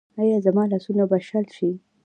ایا زما لاسونه به شل شي؟